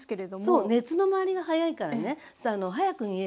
そう熱の回りが早いからね早く煮えるのね。